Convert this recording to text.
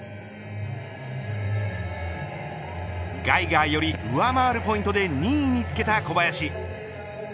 ガイガーより上回るポイントで２位につけた小林。